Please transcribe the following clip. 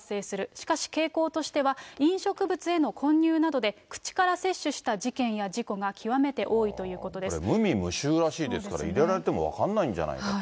しかし傾向としては、飲食物への混入などで口から摂取した事件や事故が極めて多いといこれ、無味無臭らしいですから、入れられても分かんないんじゃないかと。